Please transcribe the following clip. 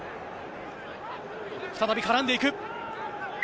再び絡んでいく。